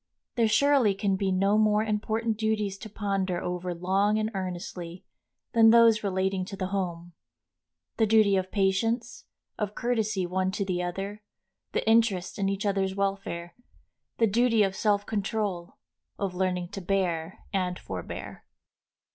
There surely can be no more important duties to ponder over long and earnestly than those relating to the home, the duty of patience, of courtesy one to the other, the interest in each other's welfare, the duty of self control, of learning to bear and forbear.